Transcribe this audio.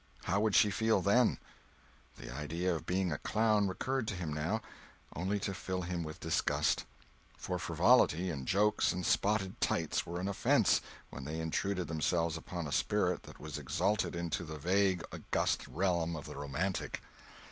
How would she feel then! The idea of being a clown recurred to him now, only to fill him with disgust. For frivolity and jokes and spotted tights were an offense, when they intruded themselves upon a spirit that was exalted into the vague august realm of the romantic.